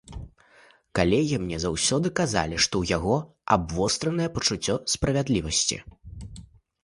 Калегі мне заўсёды казалі, што ў яго абвостранае пачуццё справядлівасці.